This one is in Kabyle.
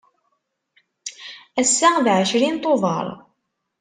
Ass-a d ɛecrin Tubeṛ.